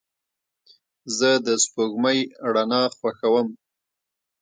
زه د سپوږمۍ رڼا خوښوم.